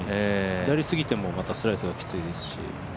左過ぎてもまたスライスがきついですし。